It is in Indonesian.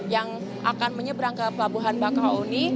yang akan menyeberang ke pelabuhan bakahoni